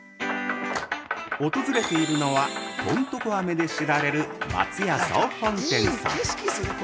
訪れているのはとんとこ飴で知られる松屋総本店さん。